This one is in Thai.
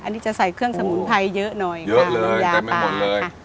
อันนี้จะใส่เครื่องสมุนไพรเยอะหน่อยครับเยอะเลยแต่ไม่หมดเลย